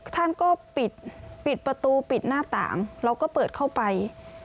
ท่านก็ปิดประตูปิดหน้าต่างเราก็เปิดเข้าไป